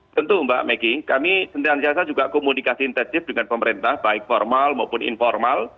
tentu mbak maggie kami sentiasa juga komunikasi intensif dengan pemerintah baik formal maupun informal